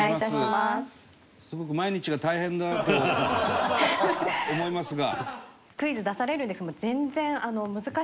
すごく毎日が大変だと思いますが。